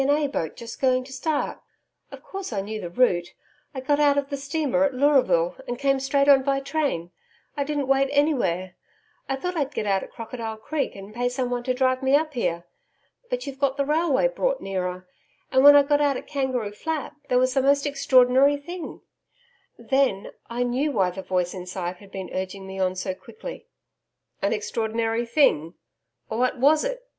and A. boat just going to start. Of course I knew the route. I got out of the steamer at Leuraville, and came straight on by train I didn't wait anywhere. I thought I'd get out at Crocodile Creek and pay somebody to drive me up here. But you've got the railway brought nearer, and when I got out at Kangaroo Flat there was a most extraordinary thing Then, I knew why the voice inside had been urging me on so quickly.' 'An extraordinary thing ? What was it?'